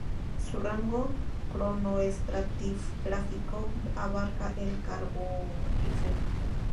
Su rango cronoestratigráfico abarca el Carbonífero.